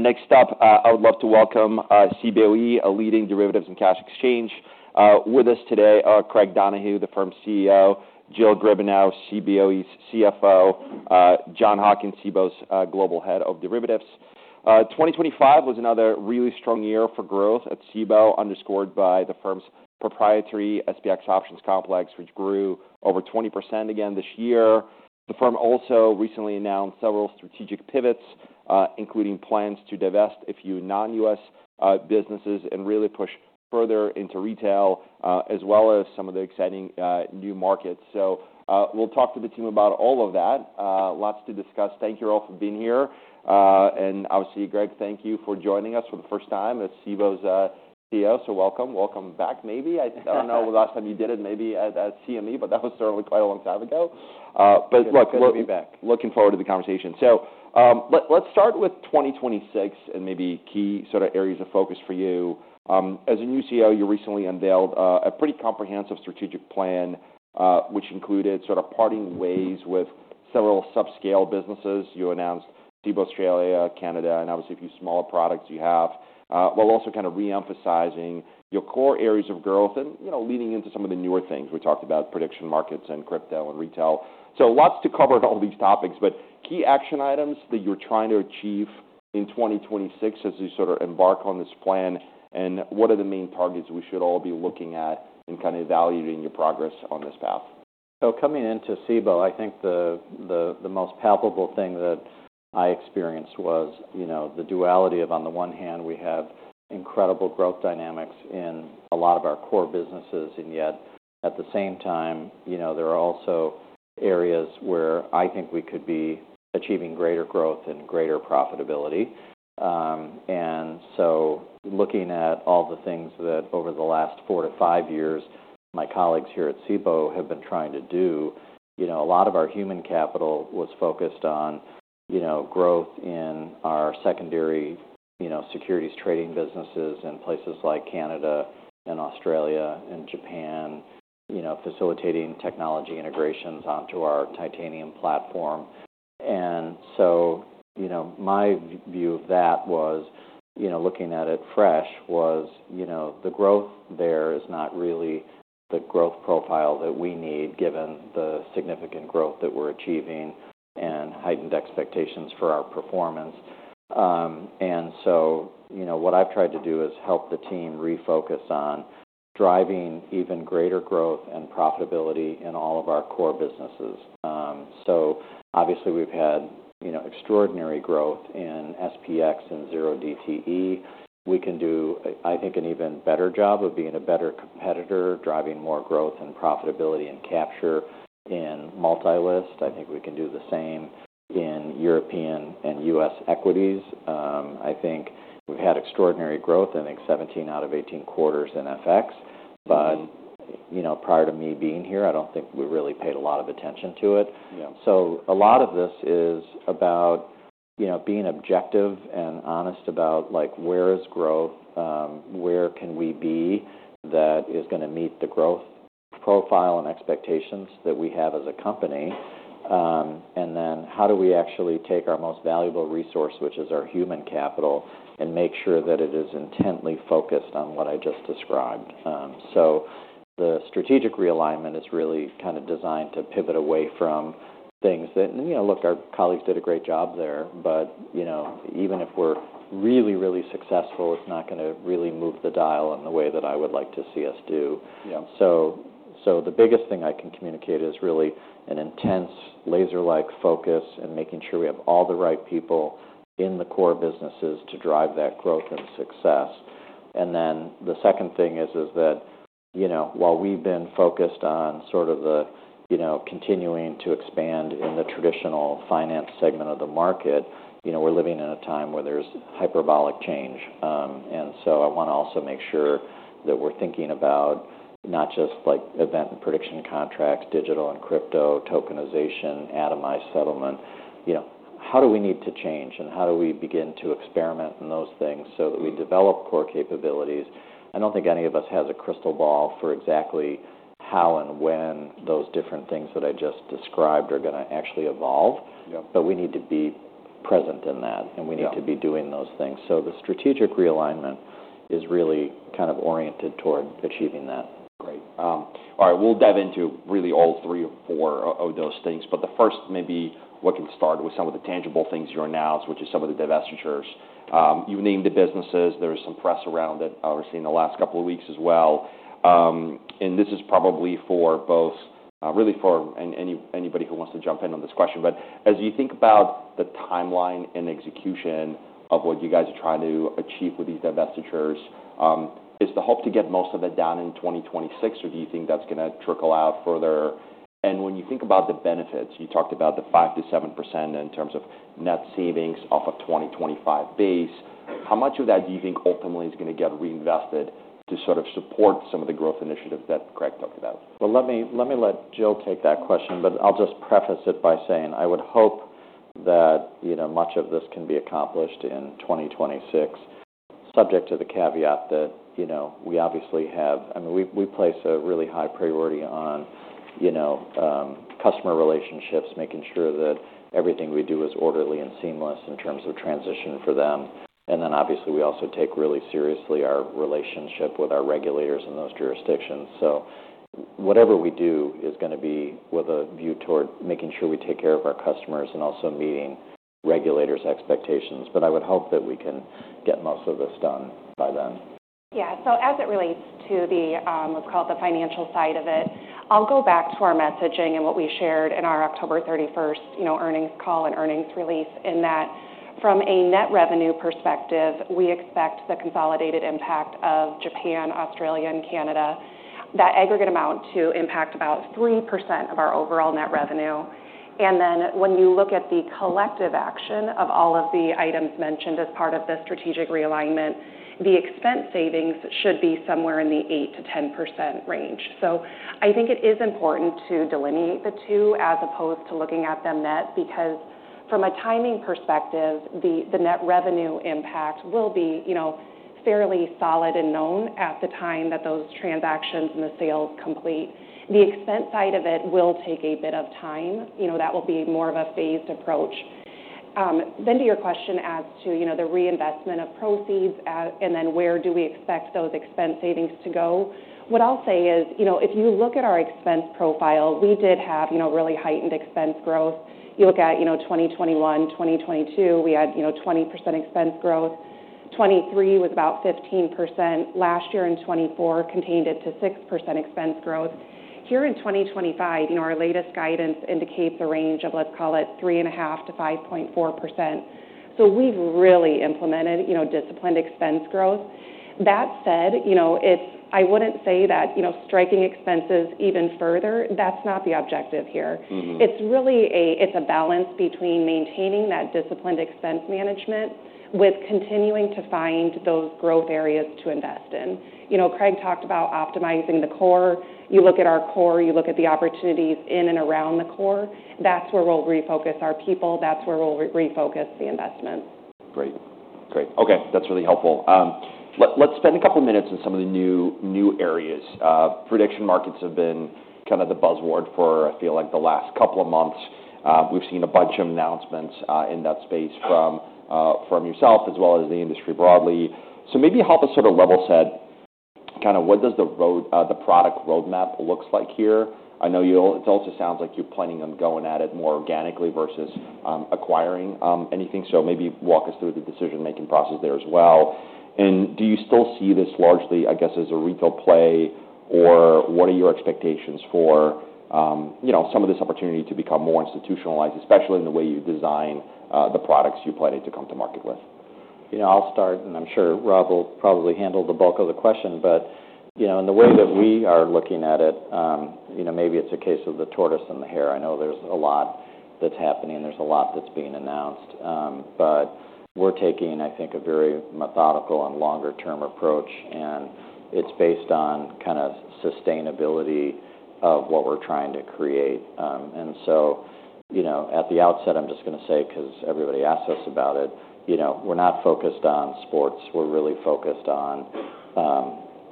Next up, I would love to welcome Cboe, a leading derivatives and cash exchange. With us today are Craig Donohue, the firm's CEO; Jill Griebenow, Cboe's CFO; Rob Hocking, Cboe's Global Head of Derivatives. 2025 was another really strong year for growth at Cboe, underscored by the firm's proprietary SPX options complex, which grew over 20% again this year. The firm also recently announced several strategic pivots, including plans to divest a few non-U.S. businesses and really push further into retail, as well as some of the exciting new markets, so we'll talk to the team about all of that. Lots to discuss. Thank you all for being here, and obviously, Craig, thank you for joining us for the first time as Cboe's CEO, so welcome. Welcome back, maybe. I don't know the last time you did it, maybe at CME, but that was certainly quite a long time ago. It's good to be back. Looking forward to the conversation. So let's start with 2026 and maybe key sort of areas of focus for you. As a new CEO, you recently unveiled a pretty comprehensive strategic plan, which included sort of parting ways with several subscale businesses. You announced Cboe Australia, Canada, and obviously a few smaller products you have, while also kind of reemphasizing your core areas of growth and leading into some of the newer things. We talked about prediction markets and crypto and retail. So lots to cover on all these topics, but key action items that you're trying to achieve in 2026 as you sort of embark on this plan, and what are the main targets we should all be looking at in kind of evaluating your progress on this path? So coming into Cboe, I think the most palpable thing that I experienced was the duality of, on the one hand, we have incredible growth dynamics in a lot of our core businesses, and yet at the same time, there are also areas where I think we could be achieving greater growth and greater profitability. And so looking at all the things that over the last four to five years, my colleagues here at Cboe have been trying to do, a lot of our human capital was focused on growth in our secondary securities trading businesses in places like Canada and Australia and Japan, facilitating technology integrations onto our Titanium platform. And so my view of that was, looking at it fresh, was the growth there is not really the growth profile that we need, given the significant growth that we're achieving and heightened expectations for our performance. And so what I've tried to do is help the team refocus on driving even greater growth and profitability in all of our core businesses. So obviously, we've had extraordinary growth in SPX and 0DTE. We can do, I think, an even better job of being a better competitor, driving more growth and profitability and capture in multi-list. I think we can do the same in European and U.S. equities. I think we've had extraordinary growth. I think 17 out of 18 quarters in FX. But prior to me being here, I don't think we really paid a lot of attention to it. So a lot of this is about being objective and honest about where is growth, where can we be that is going to meet the growth profile and expectations that we have as a company. And then how do we actually take our most valuable resource, which is our human capital, and make sure that it is intently focused on what I just described? So the strategic realignment is really kind of designed to pivot away from things that, look, our colleagues did a great job there, but even if we're really, really successful, it's not going to really move the dial in the way that I would like to see us do. So the biggest thing I can communicate is really an intense laser-like focus and making sure we have all the right people in the core businesses to drive that growth and success. And then the second thing is that while we've been focused on sort of the continuing to expand in the traditional finance segment of the market, we're living in a time where there's hyperbolic change. And so I want to also make sure that we're thinking about not just event and prediction contracts, digital and crypto, tokenization, atomized settlement. How do we need to change and how do we begin to experiment in those things so that we develop core capabilities? I don't think any of us has a crystal ball for exactly how and when those different things that I just described are going to actually evolve, but we need to be present in that, and we need to be doing those things. So the strategic realignment is really kind of oriented toward achieving that. Great. All right. We'll dive into really all three or four of those things, but the first, maybe we can start with some of the tangible things you announced, which is some of the divestitures. You named the businesses. There was some press around it, obviously, in the last couple of weeks as well, and this is probably really for anybody who wants to jump in on this question. But as you think about the timeline and execution of what you guys are trying to achieve with these divestitures, is the hope to get most of it done in 2026, or do you think that's going to trickle out further? And when you think about the benefits, you talked about the 5%-7% in terms of net savings off of 2025 base. How much of that do you think ultimately is going to get reinvested to sort of support some of the growth initiatives that Craig talked about? Well, let me let Jill take that question, but I'll just preface it by saying I would hope that much of this can be accomplished in 2026, subject to the caveat that we obviously have. I mean, we place a really high priority on customer relationships, making sure that everything we do is orderly and seamless in terms of transition for them. And then obviously, we also take really seriously our relationship with our regulators in those jurisdictions. So whatever we do is going to be with a view toward making sure we take care of our customers and also meeting regulators' expectations. But I would hope that we can get most of this done by then. Yeah. So as it relates to what's called the financial side of it, I'll go back to our messaging and what we shared in our October 31st earnings call and earnings release. In that, from a net revenue perspective, we expect the consolidated impact of Japan, Australia, and Canada, that aggregate amount, to impact about 3% of our overall net revenue. And then when you look at the collective action of all of the items mentioned as part of the strategic realignment, the expense savings should be somewhere in the 8%-10% range. So I think it is important to delineate the two as opposed to looking at them net because from a timing perspective, the net revenue impact will be fairly solid and known at the time that those transactions and the sales complete. The expense side of it will take a bit of time. That will be more of a phased approach. Then to your question as to the reinvestment of proceeds and then where do we expect those expense savings to go, what I'll say is if you look at our expense profile, we did have really heightened expense growth. You look at 2021, 2022, we had 20% expense growth. 2023 was about 15%. Last year in 2024 contained it to 6% expense growth. Here in 2025, our latest guidance indicates a range of, let's call it, 3.5%-5.4%. So we've really implemented disciplined expense growth. That said, I wouldn't say that striking expenses even further, that's not the objective here. It's a balance between maintaining that disciplined expense management with continuing to find those growth areas to invest in. Craig talked about optimizing the core. You look at our core, you look at the opportunities in and around the core. That's where we'll refocus our people. That's where we'll refocus the investments. Great. Great. Okay. That's really helpful. Let's spend a couple of minutes in some of the new areas. Prediction markets have been kind of the buzzword for, I feel like, the last couple of months. We've seen a bunch of announcements in that space from yourself as well as the industry broadly. So maybe help us sort of level set kind of what does the product roadmap look like here? I know it also sounds like you're planning on going at it more organically versus acquiring anything. So maybe walk us through the decision-making process there as well. And do you still see this largely, I guess, as a retail play, or what are your expectations for some of this opportunity to become more institutionalized, especially in the way you design the products you planning to come to market with? I'll start, and I'm sure Rob will probably handle the bulk of the question, but in the way that we are looking at it, maybe it's a case of the tortoise and the hare. I know there's a lot that's happening. There's a lot that's being announced, but we're taking, I think, a very methodical and longer-term approach, and it's based on kind of sustainability of what we're trying to create, and so at the outset, I'm just going to say, because everybody asks us about it, we're not focused on sports. We're really focused on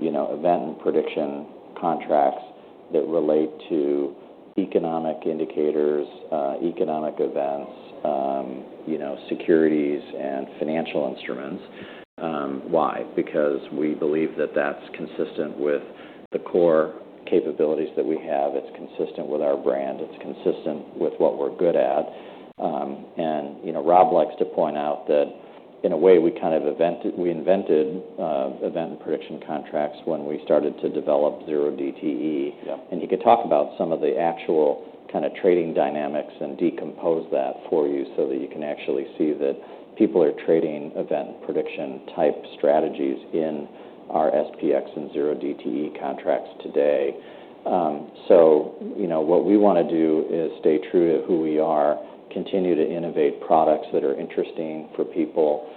event and prediction contracts that relate to economic indicators, economic events, securities, and financial instruments. Why? Because we believe that that's consistent with the core capabilities that we have. It's consistent with our brand. It's consistent with what we're good at. And Rob likes to point out that in a way, we kind of invented event and prediction contracts when we started to develop 0DTE. And he could talk about some of the actual kind of trading dynamics and decompose that for you so that you can actually see that people are trading event and prediction type strategies in our SPX and 0DTE contracts today. So what we want to do is stay true to who we are, continue to innovate products that are interesting for people,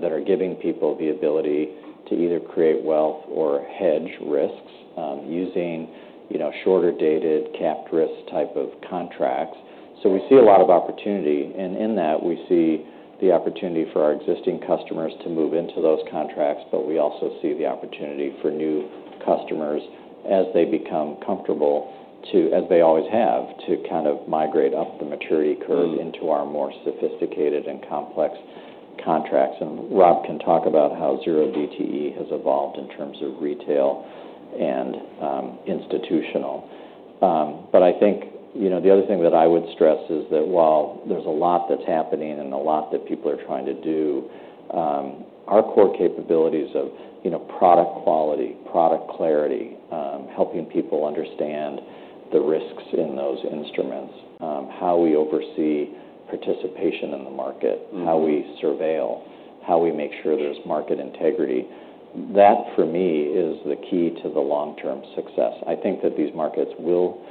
that are giving people the ability to either create wealth or hedge risks using shorter-dated capped risk type of contracts. So we see a lot of opportunity. In that, we see the opportunity for our existing customers to move into those contracts, but we also see the opportunity for new customers as they become comfortable, as they always have, to kind of migrate up the maturity curve into our more sophisticated and complex contracts. Rob can talk about how 0DTE has evolved in terms of retail and institutional. I think the other thing that I would stress is that while there's a lot that's happening and a lot that people are trying to do, our core capabilities of product quality, product clarity, helping people understand the risks in those instruments, how we oversee participation in the market, how we surveil, how we make sure there's market integrity, that for me is the key to the long-term success. I think that these markets will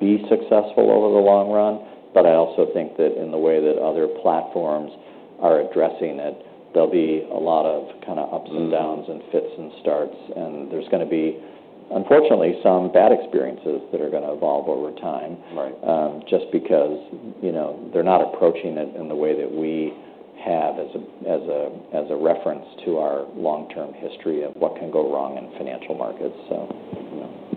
be successful over the long run, but I also think that in the way that other platforms are addressing it, there'll be a lot of kind of ups and downs and fits and starts. And there's going to be, unfortunately, some bad experiences that are going to evolve over time just because they're not approaching it in the way that we have as a reference to our long-term history of what can go wrong in financial markets, so.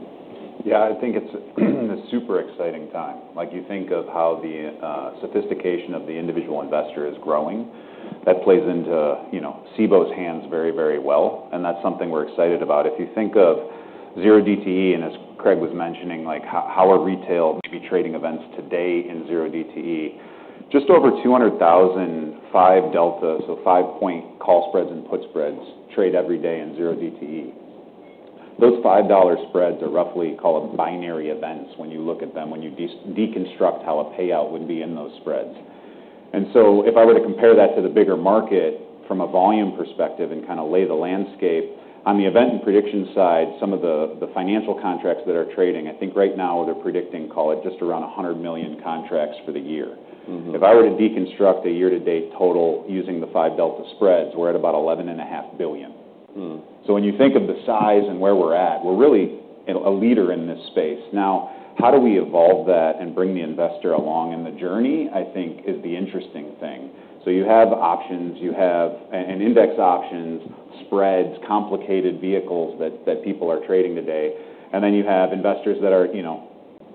Yeah. I think it's a super exciting time. You think of how the sophistication of the individual investor is growing. That plays into Cboe's hands very, very well. And that's something we're excited about. If you think of 0DTE, and as Craig was mentioning, how are retail maybe trading events today in 0DTE? Just over 200,000, five delta, so five-point call spreads and put spreads trade every day in 0DTE. Those $5 spreads are roughly called binary events when you look at them, when you deconstruct how a payout would be in those spreads. And so if I were to compare that to the bigger market from a volume perspective and kind of lay the landscape, on the event and prediction side, some of the financial contracts that are trading, I think right now they're predicting, call it, just around 100 million contracts for the year. If I were to deconstruct a year-to-date total using the five delta spreads, we're at about $11.5 billion. So when you think of the size and where we're at, we're really a leader in this space. Now, how do we evolve that and bring the investor along in the journey, I think, is the interesting thing. So you have options, you have index options, spreads, complicated vehicles that people are trading today. And then you have investors that are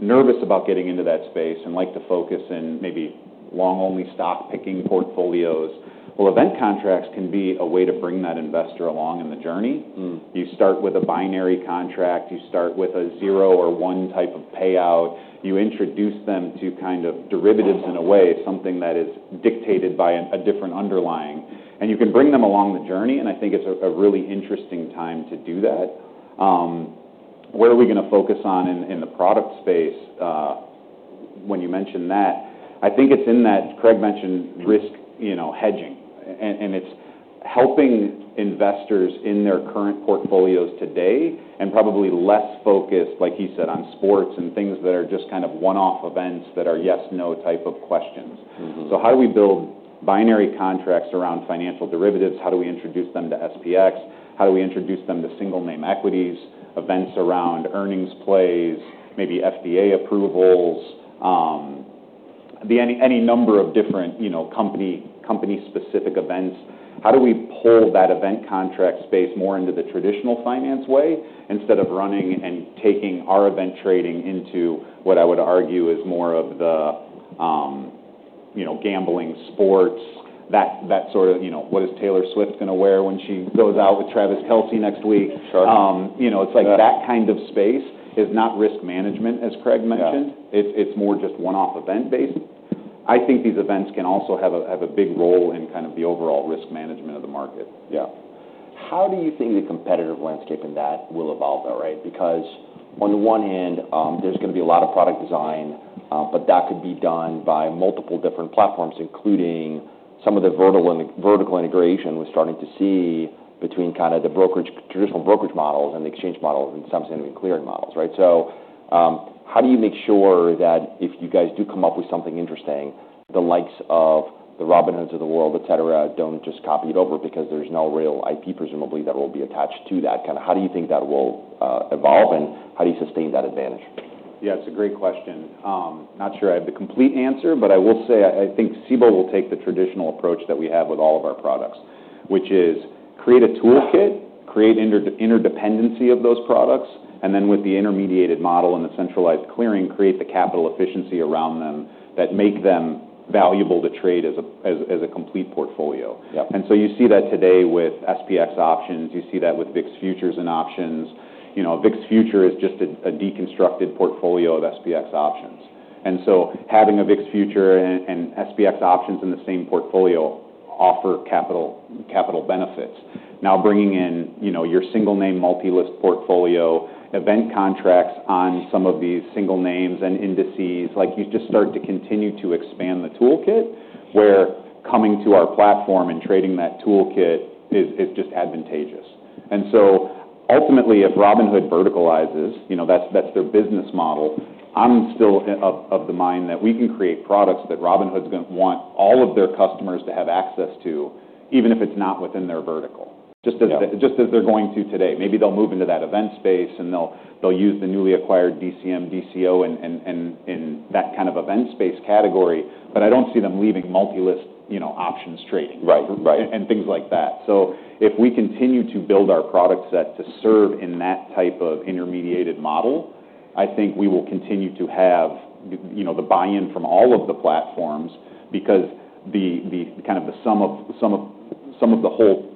nervous about getting into that space and like to focus in maybe long-only stock-picking portfolios. Well, event contracts can be a way to bring that investor along in the journey. You start with a binary contract. You start with a zero or one type of payout. You introduce them to kind of derivatives in a way, something that is dictated by a different underlying. You can bring them along the journey, and I think it's a really interesting time to do that. Where are we going to focus on in the product space when you mention that? I think it's in that Craig mentioned risk hedging, and it's helping investors in their current portfolios today and probably less focused, like he said, on sports and things that are just kind of one-off events that are yes/no type of questions. So how do we build binary contracts around financial derivatives? How do we introduce them to SPX? How do we introduce them to single-name equities, events around earnings plays, maybe FDA approvals, any number of different company-specific events? How do we pull that event contract space more into the traditional finance way instead of running and taking our event trading into what I would argue is more of the gambling, sports, that sort of what is Taylor Swift going to wear when she goes out with Travis Kelce next week? It's like that kind of space is not risk management, as Craig mentioned. It's more just one-off event-based. I think these events can also have a big role in kind of the overall risk management of the market. Yeah. How do you think the competitive landscape in that will evolve though, right? Because on the one hand, there's going to be a lot of product design, but that could be done by multiple different platforms, including some of the vertical integration we're starting to see between kind of the traditional brokerage models and the exchange models and some standard clearing models, right? So how do you make sure that if you guys do come up with something interesting, the likes of the Robinhoods of the world, etc., don't just copy it over because there's no real IP, presumably, that will be attached to that? Kind of how do you think that will evolve, and how do you sustain that advantage? Yeah, it's a great question. Not sure I have the complete answer, but I will say I think Cboe will take the traditional approach that we have with all of our products, which is create a toolkit, create interdependency of those products, and then with the intermediated model and the centralized clearing, create the capital efficiency around them that make them valuable to trade as a complete portfolio, and so you see that today with SPX options. You see that with VIX Futures and options. VIX Future is just a deconstructed portfolio of SPX options, and so having a VIX Future and SPX options in the same portfolio offer capital benefits. Now, bringing in your single-name multi-list portfolio, event contracts on some of these single names and indices, you just start to continue to expand the toolkit where coming to our platform and trading that toolkit is just advantageous. And so ultimately, if Robinhood verticalizes, that's their business model. I'm still of the mind that we can create products that Robinhood's going to want all of their customers to have access to, even if it's not within their vertical, just as they're going to today. Maybe they'll move into that event space, and they'll use the newly acquired DCM, DCO, and that kind of event space category, but I don't see them leaving multi-list options trading and things like that. So if we continue to build our product set to serve in that type of intermediated model, I think we will continue to have the buy-in from all of the platforms because kind of the sum of the whole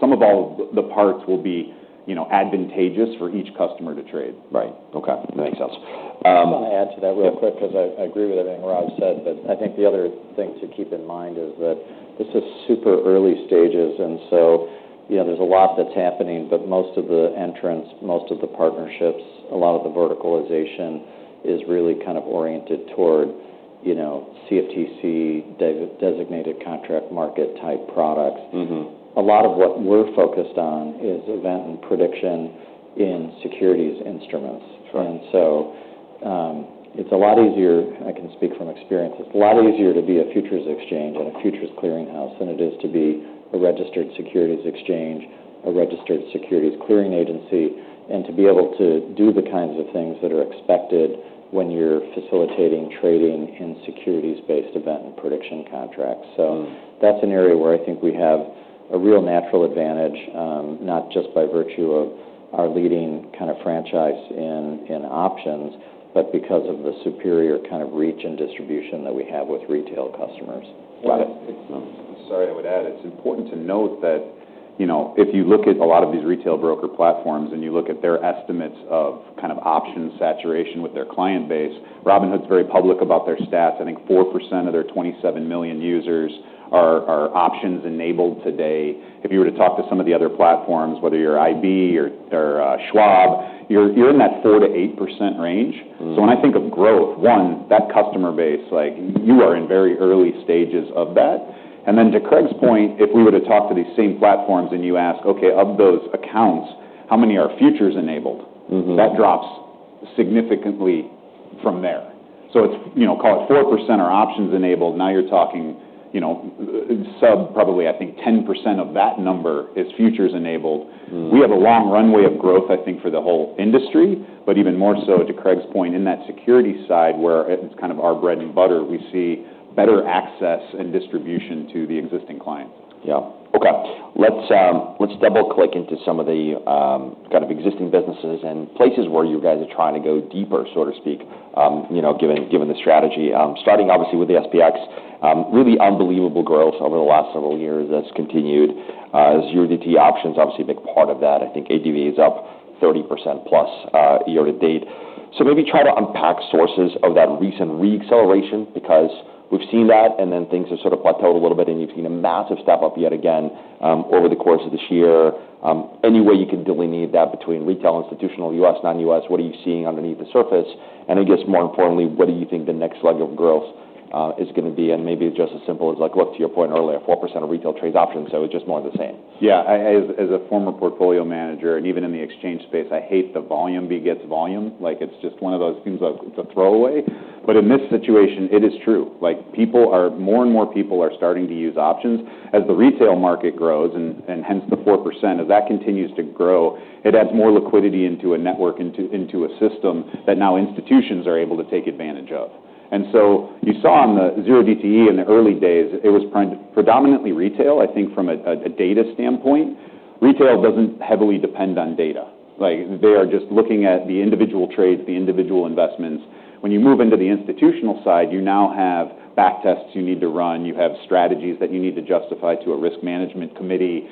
some of all the parts will be advantageous for each customer to trade. Right. Okay. That makes sense. I just want to add to that real quick because I agree with everything Rob said, but I think the other thing to keep in mind is that this is super early stages, and so there's a lot that's happening, but most of the entrants, most of the partnerships, a lot of the verticalization is really kind of oriented toward CFTC Designated Contract Market type products. A lot of what we're focused on is event and prediction in securities instruments. And so it's a lot easier, I can speak from experience, it's a lot easier to be a futures exchange and a futures clearinghouse than it is to be a registered securities exchange, a registered securities clearing agency, and to be able to do the kinds of things that are expected when you're facilitating trading in securities-based event and prediction contracts. So that's an area where I think we have a real natural advantage, not just by virtue of our leading kind of franchise in options, but because of the superior kind of reach and distribution that we have with retail customers. I'm sorry, I would add. It's important to note that if you look at a lot of these retail broker platforms and you look at their estimates of kind of option saturation with their client base, Robinhood's very public about their stats. I think 4% of their 27 million users are options enabled today. If you were to talk to some of the other platforms, whether you're IB or Schwab, you're in that 4%-8% range. So when I think of growth, one, that customer base, you are in very early stages of that. And then to Craig's point, if we were to talk to these same platforms and you ask, "Okay, of those accounts, how many are futures enabled?" That drops significantly from there. So call it 4% are options enabled. Now you're talking sub, probably, I think, 10% of that number is futures enabled. We have a long runway of growth, I think, for the whole industry, but even more so to Craig's point in that security side where it's kind of our bread and butter. We see better access and distribution to the existing clients. Yeah. Okay. Let's double-click into some of the kind of existing businesses and places where you guys are trying to go deeper, so to speak, given the strategy. Starting obviously with the SPX, really unbelievable growth over the last several years has continued as your 0DTE options obviously a big part of that. I think ADV is up 30%+ year to date. So maybe try to unpack sources of that recent re-acceleration because we've seen that, and then things have sort of plateaued a little bit, and you've seen a massive step up yet again over the course of this year. Anyway, you can delineate that between retail, institutional, U.S., non-U.S. What are you seeing underneath the surface? And I guess more importantly, what do you think the next leg of growth is going to be? And maybe it's just as simple as, look, to your point earlier, 4% of retail trades options. So it's just more of the same. Yeah. As a former portfolio manager, and even in the exchange space, I hate the volume begets volume. It's just one of those things like it's a throwaway. But in this situation, it is true. More and more people are starting to use options as the retail market grows, and hence the 4%. As that continues to grow, it adds more liquidity into a network, into a system that now institutions are able to take advantage of. And so you saw on the 0DTE in the early days, it was predominantly retail, I think, from a data standpoint. Retail doesn't heavily depend on data. They are just looking at the individual trades, the individual investments. When you move into the institutional side, you now have backtests you need to run. You have strategies that you need to justify to a risk management committee.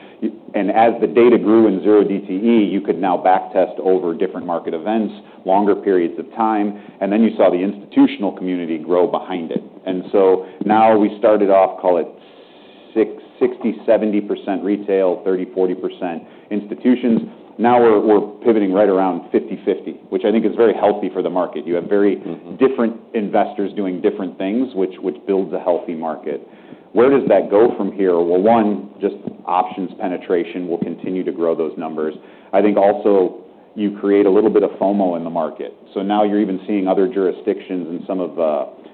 And as the data grew in 0DTE, you could now backtest over different market events, longer periods of time. And then you saw the institutional community grow behind it. And so now we started off, call it 60%-70% retail, 30%-40% institutions. Now we're pivoting right around 50/50, which I think is very healthy for the market. You have very different investors doing different things, which builds a healthy market. Where does that go from here? One, just options penetration will continue to grow those numbers. I think also you create a little bit of FOMO in the market. So now you're even seeing other jurisdictions and some of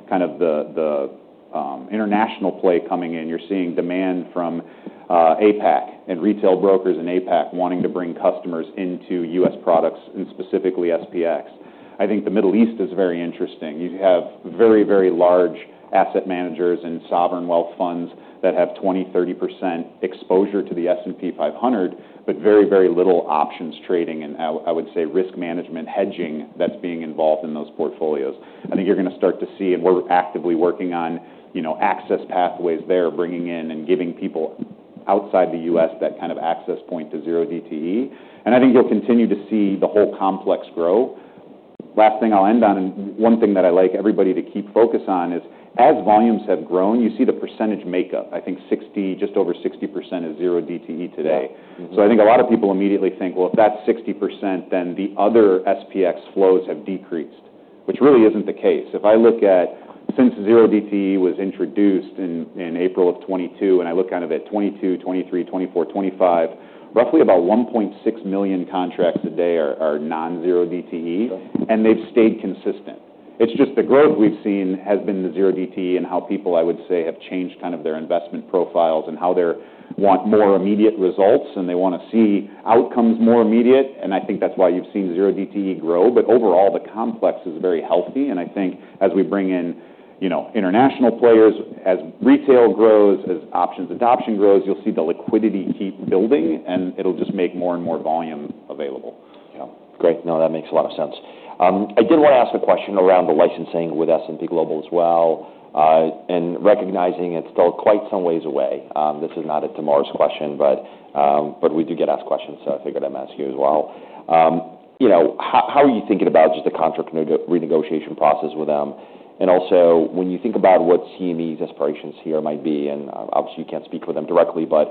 kind of the international play coming in. You're seeing demand from APAC and retail brokers in APAC wanting to bring customers into U.S. products and specifically SPX. I think the Middle East is very interesting. You have very, very large asset managers and sovereign wealth funds that have 20%-30% exposure to the S&P 500, but very, very little options trading and, I would say, risk management hedging that's being involved in those portfolios. I think you're going to start to see, and we're actively working on access pathways there, bringing in and giving people outside the U.S. that kind of access point to 0DTE. I think you'll continue to see the whole complex grow. Last thing I'll end on, and one thing that I like everybody to keep focus on is as volumes have grown, you see the percentage makeup. I think just over 60% is 0DTE today. So I think a lot of people immediately think, "Well, if that's 60%, then the other SPX flows have decreased," which really isn't the case. If I look at since 0DTE was introduced in April of 2022, and I look kind of at 2022, 2023, 2024, 2025, roughly about 1.6 million contracts a day are non-0DTE, and they've stayed consistent. It's just the growth we've seen has been the 0DTE and how people, I would say, have changed kind of their investment profiles and how they want more immediate results, and they want to see outcomes more immediate. And I think that's why you've seen 0DTE grow. But overall, the complex is very healthy. And I think as we bring in international players, as retail grows, as options adoption grows, you'll see the liquidity keep building, and it'll just make more and more volume available. Yeah. Great. No, that makes a lot of sense. I did want to ask a question around the licensing with S&P Global as well. And recognizing it's still quite some ways away, this is not a tomorrow's question, but we do get asked questions, so I figured I'd ask you as well. How are you thinking about just the contract renegotiation process with them? And also when you think about what CME's aspirations here might be, and obviously you can't speak for them directly, but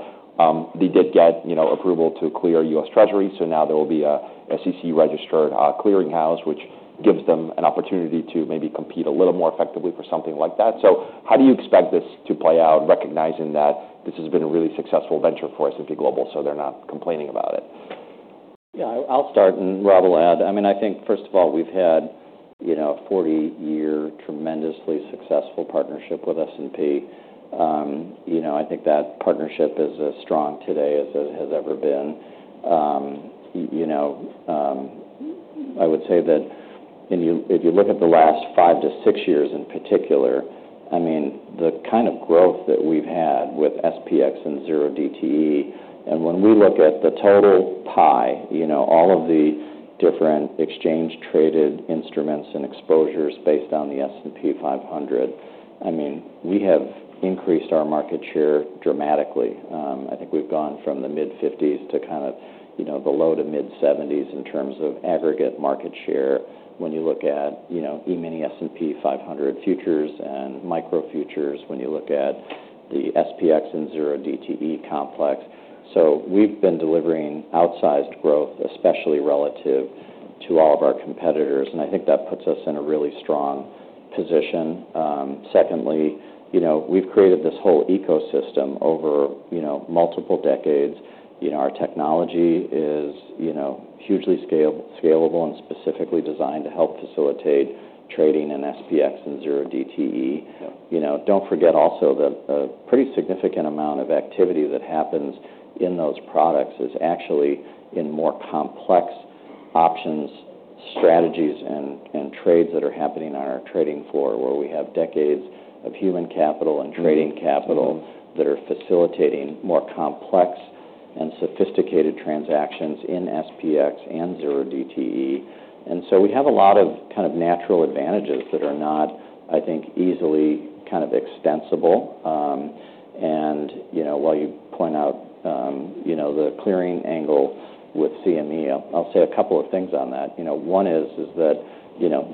they did get approval to clear U.S. Treasury. So now there will be a SEC-registered clearinghouse, which gives them an opportunity to maybe compete a little more effectively for something like that. So how do you expect this to play out, recognizing that this has been a really successful venture for S&P Global so they're not complaining about it? Yeah. I'll start, and Rob will add. I mean, I think first of all, we've had a 40-year tremendously successful partnership with S&P. I think that partnership is as strong today as it has ever been. I would say that if you look at the last five to six years in particular, I mean, the kind of growth that we've had with SPX and 0DTE, and when we look at the total pie, all of the different exchange-traded instruments and exposures based on the S&P 500, I mean, we have increased our market share dramatically. I think we've gone from the mid-50s to kind of the low to mid-70s in terms of aggregate market share when you look at E-mini S&P 500 futures and micro futures when you look at the SPX and 0DTE complex. So we've been delivering outsized growth, especially relative to all of our competitors. And I think that puts us in a really strong position. Secondly, we've created this whole ecosystem over multiple decades. Our technology is hugely scalable and specifically designed to help facilitate trading in SPX and 0DTE. Don't forget also that a pretty significant amount of activity that happens in those products is actually in more complex options, strategies, and trades that are happening on our trading floor where we have decades of human capital and trading capital that are facilitating more complex and sophisticated transactions in SPX and 0DTE. And so we have a lot of kind of natural advantages that are not, I think, easily kind of extensible. And while you point out the clearing angle with CME, I'll say a couple of things on that. One is that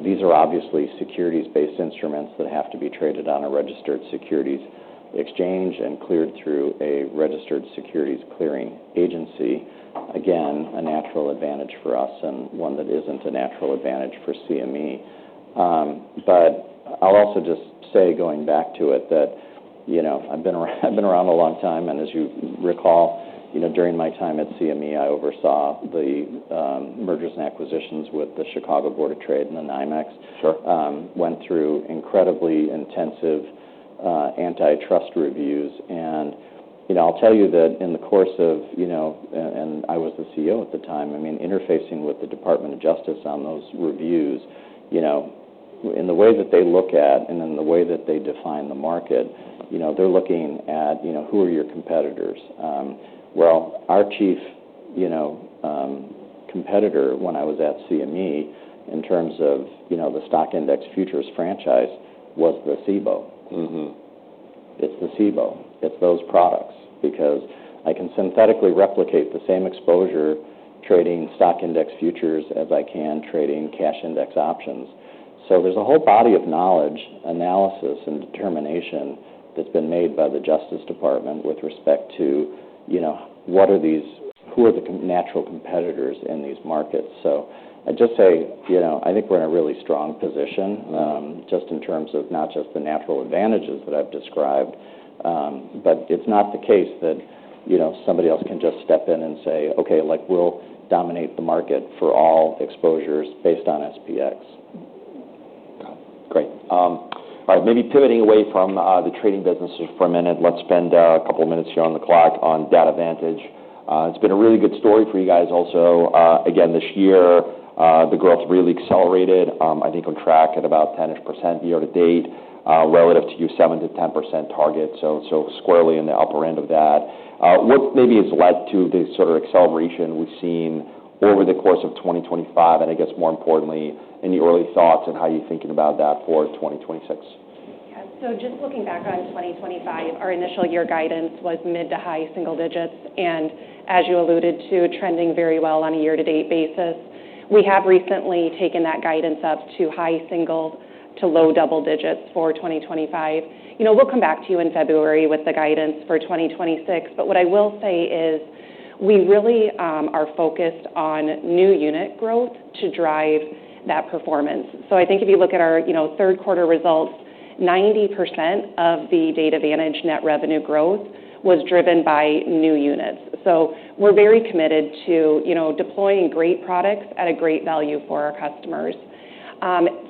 these are obviously securities-based instruments that have to be traded on a registered securities exchange and cleared through a registered securities clearing agency. Again, a natural advantage for us and one that isn't a natural advantage for CME. But I'll also just say, going back to it, that I've been around a long time. And as you recall, during my time at CME, I oversaw the mergers and acquisitions with the Chicago Board of Trade and the NYMEX, went through incredibly intensive antitrust reviews. I'll tell you that in the course of, and I was the CEO at the time, I mean, interfacing with the Department of Justice on those reviews, in the way that they look at and in the way that they define the market, they're looking at who are your competitors. Well, our chief competitor when I was at CME, in terms of the stock index futures franchise, was the Cboe. It's the Cboe. It's those products because I can synthetically replicate the same exposure trading stock index futures as I can trading cash index options. So there's a whole body of knowledge, analysis, and determination that's been made by the Justice Department with respect to who are the natural competitors in these markets. So I just say I think we're in a really strong position just in terms of not just the natural advantages that I've described, but it's not the case that somebody else can just step in and say, "Okay, we'll dominate the market for all exposures based on SPX." Got it. Great. All right. Maybe pivoting away from the trading businesses for a minute, let's spend a couple of minutes here on the clock on Data Vantage. It's been a really good story for you guys also. Again, this year, the growth really accelerated. I think on track at about 10%-ish year-to-date relative to your 7%-10% target. So squarely in the upper end of that. What maybe has led to the sort of acceleration we've seen over the course of 2025? I guess more importantly, any early thoughts on how you're thinking about that for 2026? Yeah. So just looking back on 2025, our initial year guidance was mid to high single digits. And as you alluded to, trending very well on a year-to-date basis. We have recently taken that guidance up to high single to low double digits for 2025. We'll come back to you in February with the guidance for 2026. But what I will say is we really are focused on new unit growth to drive that performance. So I think if you look at our third quarter results, 90% of the Data Vantage net revenue growth was driven by new units. So we're very committed to deploying great products at a great value for our customers.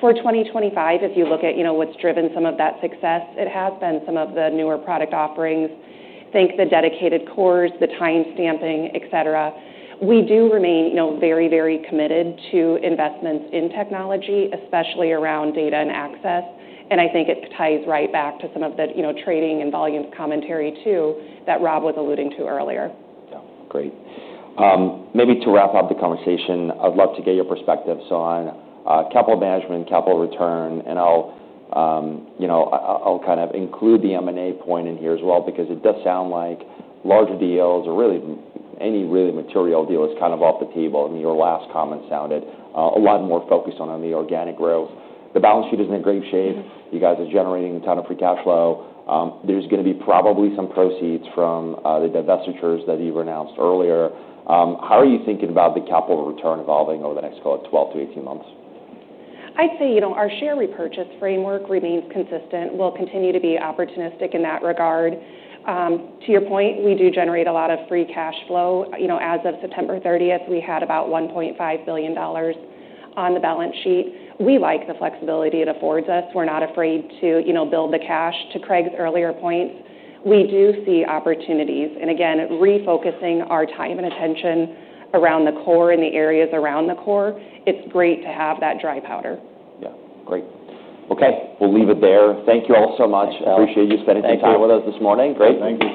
For 2025, if you look at what's driven some of that success, it has been some of the newer product offerings. think the dedicated cores, the timestamping, etc. We do remain very, very committed to investments in technology, especially around data and access. And I think it ties right back to some of the trading and volume commentary too that Rob was alluding to earlier. Yeah. Great. Maybe to wrap up the conversation, I'd love to get your perspectives on capital management, capital return. And I'll kind of include the M&A point in here as well because it does sound like larger deals or really any really material deal is kind of off the table. I mean, your last comment sounded a lot more focused on the organic growth. The balance sheet is in great shape. You guys are generating a ton of free cash flow. There's going to be probably some proceeds from the divestitures that you've announced earlier. How are you thinking about the capital return evolving over the next, call it, 12-18 months? I'd say our share repurchase framework remains consistent. We'll continue to be opportunistic in that regard. To your point, we do generate a lot of free cash flow. As of September 30th, we had about $1.5 billion on the balance sheet. We like the flexibility it affords us. We're not afraid to build the cash. To Craig's earlier points, we do see opportunities. And again, refocusing our time and attention around the core and the areas around the core, it's great to have that dry powder. Yeah. Great. Okay. We'll leave it there. Thank you all so much. I appreciate you spending some time with us this morning. Great. Thank you.